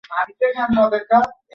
তাদের সকলের সাথে তলোয়ার ও বর্শা রয়েছে।